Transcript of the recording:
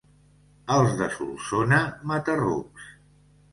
Els de Solsona, mata-rucs.